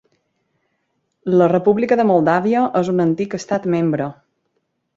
La República de Moldàvia és un antic Estat membre.